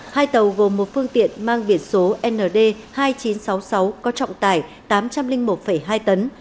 hai tàu gồm một phương tiện mang biển số nd hai nghìn chín trăm sáu mươi sáu có trọng tải tám trăm linh một hai tấn